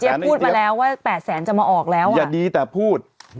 พูดมาแล้วว่า๘แสนจะมาออกแล้วอ่ะอย่าดีแต่พูด